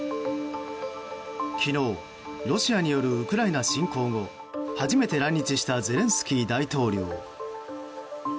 昨日ロシアによるウクライナ侵攻後初めて来日したゼレンスキー大統領。